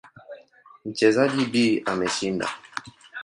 Mchezaji B ameshinda.